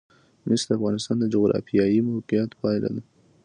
مس د افغانستان د جغرافیایي موقیعت پایله ده.